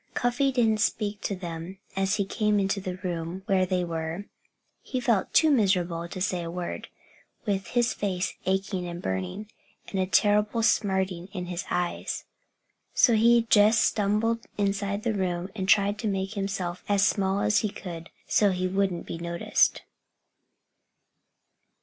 Cuffy didn't speak to them as he came into the room where they were. He felt too miserable to say a word, with his face aching and burning, and a terrible smarting in his eyes. So he just stumbled inside the room and tried to make himself as small as he could, so he wouldn't be noticed.